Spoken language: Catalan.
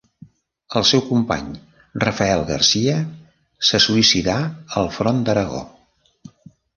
El seu company Rafael Garcia, se suïcidà al front d'Aragó.